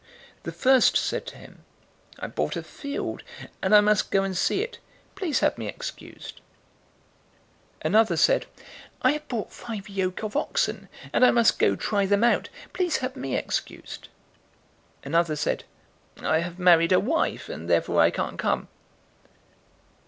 "The first said to him, 'I have bought a field, and I must go and see it. Please have me excused.' 014:019 "Another said, 'I have bought five yoke of oxen, and I must go try them out. Please have me excused.' 014:020 "Another said, 'I have married a wife, and therefore I can't come.'